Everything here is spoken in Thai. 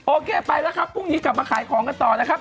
โอเคไปแล้วครับพรุ่งนี้กลับมาขายของกันต่อนะครับ